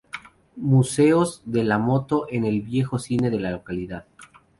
Museos de la moto en el viejo cine de la localidad.